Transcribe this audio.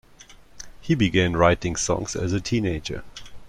He began writing songs as a teenager.